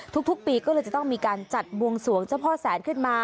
ทุกปีก็เลยจะต้องมีการจัดบวงสวงเจ้าพ่อแสนขึ้นมา